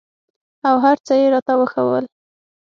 او هرڅه يې راته راوښوول.